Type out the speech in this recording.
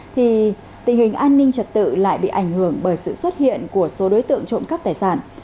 thì tình hình an ninh trật tự lại bị ảnh hưởng bởi sự xuất hiện của số đối tượng trộm cắp tài sản